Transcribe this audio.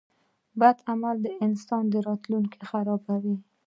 • بد عمل د انسان راتلونکی خرابوي.